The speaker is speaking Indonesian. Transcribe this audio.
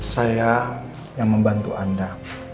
saya yang membantu anda